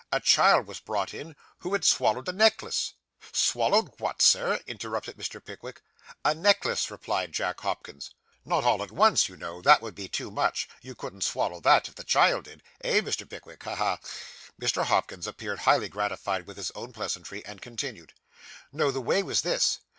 A child was brought in, who had swallowed a necklace.' 'Swallowed what, Sir?' interrupted Mr. Pickwick. 'A necklace,' replied Jack Hopkins. 'Not all at once, you know, that would be too much you couldn't swallow that, if the child did eh, Mr. Pickwick? ha, ha!' Mr. Hopkins appeared highly gratified with his own pleasantry, and continued 'No, the way was this.